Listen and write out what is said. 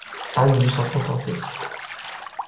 Anne dut s’en contenter.